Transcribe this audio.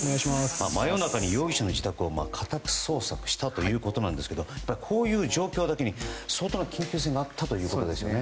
真夜中に容疑者の自宅を家宅捜索したということなんですけどこういう状況だけに相当の緊急性があったということですね。